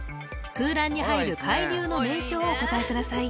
空欄に入る海流の名称をお答えください